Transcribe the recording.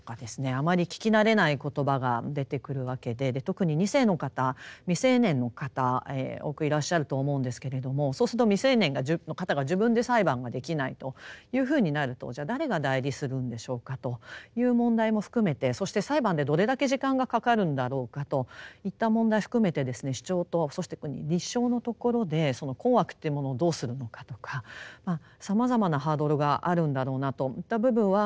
あまり聞き慣れない言葉が出てくるわけで特に２世の方未成年の方多くいらっしゃると思うんですけれどもそうすると未成年の方が自分で裁判ができないというふうになるとじゃあ誰が代理するんでしょうかという問題も含めてそして裁判でどれだけ時間がかかるんだろうかといった問題含めて主張とそして立証のところでその困惑というものをどうするのかとかさまざまなハードルがあるんだろうなといった部分は懸念しております。